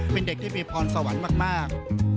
เป็นเด็กที่มีพรสวรรค์มาก